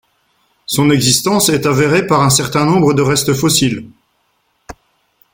Son existence est avérée par un certain nombre de restes fossiles.